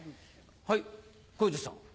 はい小遊三さん。